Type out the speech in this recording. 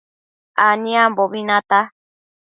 Aniambobi nata